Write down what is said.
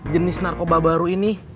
jenis narkoba baru ini